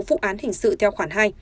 phụ án hình sự theo khoản hai